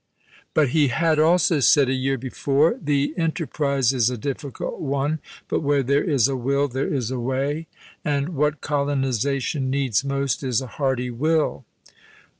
But he had also said a year before, "The enter prise is a difficult one, but * where there is a will, there is a way '; and what colonization needs most is a hearty will.